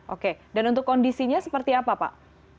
oke dan untuk kondisinya seperti apa pak